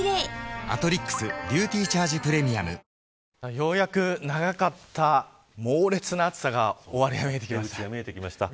ようやく長かった猛烈な暑さに終わりが見えてきました。